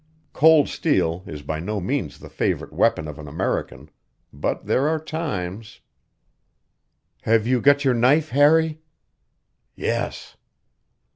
Cold steel is by no means the favorite weapon of an American, but there are times "Have you got your knife, Harry?" "Yes."